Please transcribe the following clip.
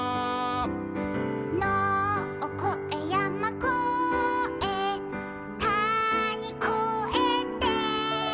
「のをこえやまこえたにこえて」